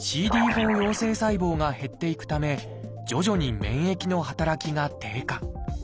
４陽性細胞が減っていくため徐々に免疫の働きが低下。